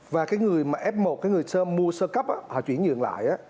và cái người mà f một cái người mua sơ cấp họ chuyển nhượng lại